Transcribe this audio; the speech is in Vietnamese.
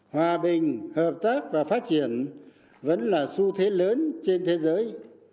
hòa bình hợp tác và phát triển vẫn là xu thế lớn trên thế giới